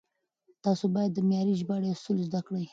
تاسو بايد د معياري ژباړې اصول زده کړئ.